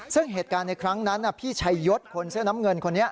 ซึ่งเหตุการณ์ในครั้งนั้นพี่ชัยยศคนเสื้อน้ำเงินคนนี้